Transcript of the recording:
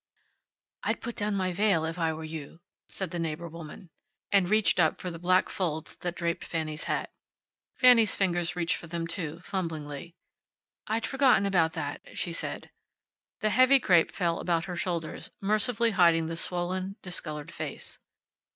"I'd put down my veil if I were you," said the neighbor woman. And reached up for the black folds that draped Fanny's hat. Fanny's fingers reached for them too, fumblingly. "I'd forgotten about it," she said. The heavy crape fell about her shoulders, mercifully hiding the swollen, discolored face.